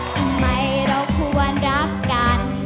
ทำไมเราควรรักกัน